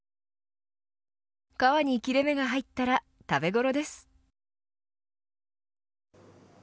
皮に切れ目が入ったら食べ頃です。